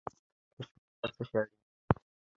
د شپې لپاره څه شی اړین دی؟